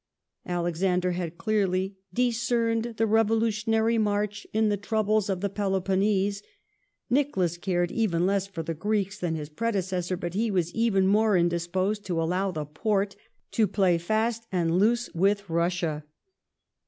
Alexander had clearly " discerned the revolutionary march in the troubles of the Peloponese ". Nicholas cai ed even less for the Greeks than his predecessor ; but he was even more indisposed to allow the Porte to play fast and loose with Russia.